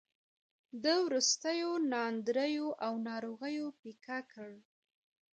د وروستیو ناندریو او ناروغیو پېکه کړ.